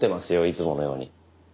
いつものように。